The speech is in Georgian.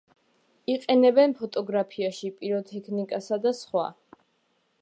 იყენებენ ფოტოგრაფიაში, პიროტექნიკაში და სხვა.